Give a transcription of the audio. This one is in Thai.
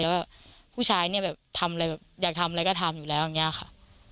แล้วก็ผู้ชายเนี่ยแบบทำอะไรแบบอยากทำอะไรก็ทำอยู่แล้วอย่างนี้ค่ะ